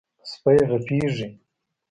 سپي غپېږي.